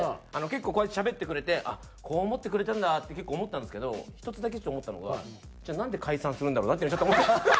結構こうやってしゃべってくれてこう思ってくれてるんだって結構思ったんですけど１つだけ思ったのがじゃあなんで解散するんだろうなっていうのちょっと思った。